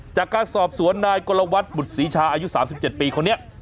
จากการสอบสวนนายกวบุษีชาอายุ๓๗ปีคนนี้